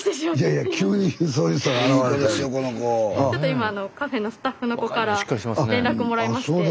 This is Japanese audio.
今カフェのスタッフの子から連絡もらいまして。